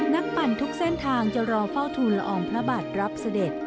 ปั่นทุกเส้นทางจะรอเฝ้าทูลละอองพระบาทรับเสด็จ